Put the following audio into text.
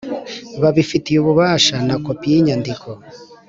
Babifitiye ububasha na kopi y inyandiko